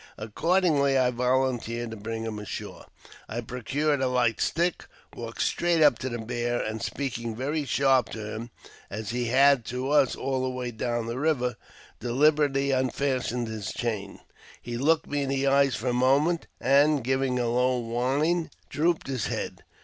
Accordingly, I volunteered to bring him ashore. I procured a light stick, walked straight up to the bear, and, speaking very sharp to him (as he had to us all the way down the river), deliberately unfastened his chain. He looked me in the eyes for a moment, and, giving a low whine, drooped his head.